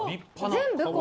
全部？